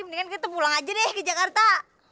mendingan kita pulang aja deh ke jakarta